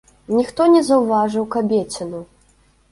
Ніхто не заўважыў кабеціну.